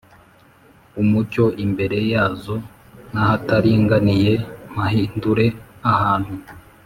Umucyo f imbere yazo n ahataringaniye mpahindure ahantu